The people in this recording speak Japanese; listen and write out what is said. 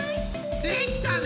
できたね！